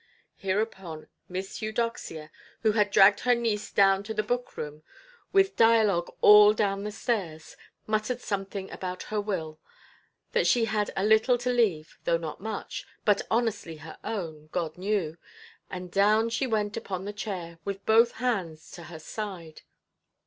Hereupon Miss Eudoxia, who had dragged her niece down to the book–room, with dialogue all down the stairs, muttered something about her will, that she had a little to leave, though not much, but honestly her own—God knew—and down she went upon the chair, with both hands to her side.